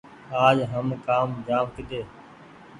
آج هم ڪآم جآم ڪيۮي